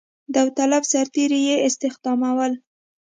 داوطلب سرتېري یې استخدامول.